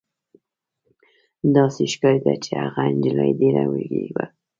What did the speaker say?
داسې ښکارېده چې هغه نجلۍ ډېره وږې وه